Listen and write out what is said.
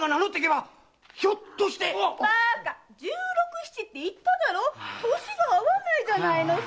バカ十六七って言っただろ年が合わないじゃないのさ。